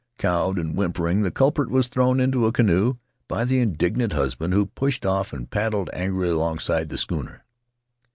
Cowed and whimpering, the culprit was thrown into a canoe by the indignant husband, who pushed off and paddled angrily alongside the schooner.